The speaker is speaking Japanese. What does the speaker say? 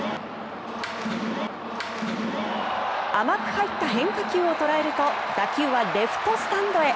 甘く入った変化球を捉えると打球はレフトスタンドへ。